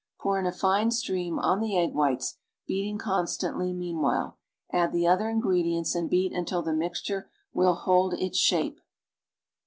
Pour in a fine stream on the egg whiles, beating constantly meanwhile; add the other ingredients and beat until the mixture will hold its shape.